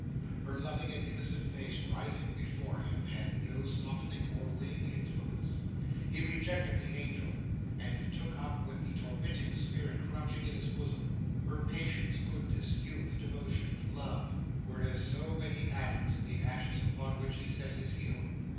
Her loving and innocent face rising before him, had no softening or winning influence. He rejected the angel, and took up with the tormenting spirit crouching in his bosom. Her patience, goodness, youth, devotion, love, were as so many atoms in the ashes upon which he set his heel.